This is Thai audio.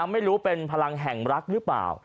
ไม่รู้เป็นพลังแห่งรักหรือเปล่า